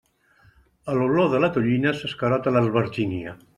A l'olor de la tonyina s'escarota l'albergina.